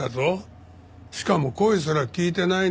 しかも声すら聞いてないんだそうだ。